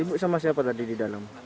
ibu sama siapa tadi di dalam